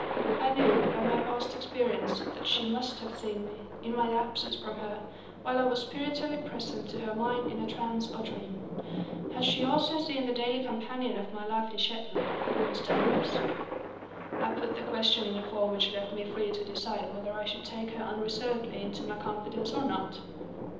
I knew, by my past experience, that she must have seen me, in my absence from her, while I was spiritually present to her mind in a trance or dream. Had she also seen the daily companion of my life in Shetland Miss Dunross? I put the question in a form which left me free to decide whether I should take her unreservedly into my confidence or not.